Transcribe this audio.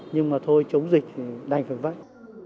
nhưng mà thôi chống dịch đành phải vậy